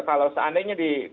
kalau seandainya dipindahkan